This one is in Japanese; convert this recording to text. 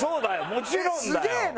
もちろんだよ。